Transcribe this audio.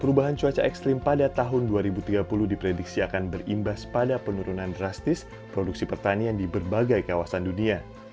perubahan cuaca ekstrim pada tahun dua ribu tiga puluh diprediksi akan berimbas pada penurunan drastis produksi pertanian di berbagai kawasan dunia